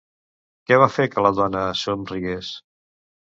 Què va fer que la dona somrigués?